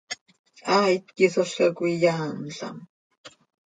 Haait quih ísolca coi cöyaanlam.